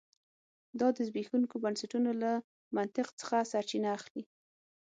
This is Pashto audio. دا د زبېښونکو بنسټونو له منطق څخه سرچینه اخلي